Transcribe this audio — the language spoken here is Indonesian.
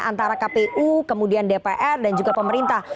antara kpu kemudian dpr dan juga pemerintah